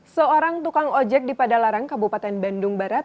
seorang tukang ojek di padalarang kabupaten bandung barat